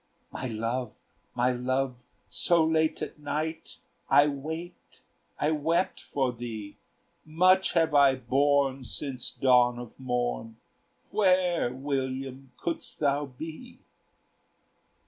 "My love! my love! so late at night! I waked, I wept for thee. Much have I borne since dawn of morn; Where, William, couldst thou be?"